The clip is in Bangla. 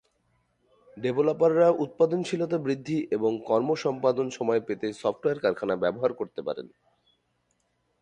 ডেভেলপাররা উৎপাদনশীলতা বৃদ্ধি এবং কম র্যাম্প-আপ সময় পেতে সফটওয়্যার কারখানা ব্যবহার করতে পারেন।